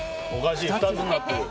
２つになってる。